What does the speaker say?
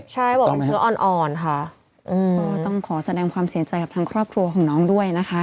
ใช่บอกว่าเชื้ออ่อนค่ะก็ต้องขอแสดงความเสียใจกับทางครอบครัวของน้องด้วยนะคะ